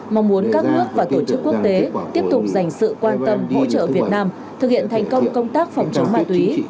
mong muốn các nước và tổ chức quốc tế tiếp tục dành sự quan tâm hỗ trợ việt nam thực hiện thành công công tác phòng chống ma túy